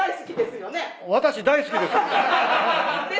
私大好きです。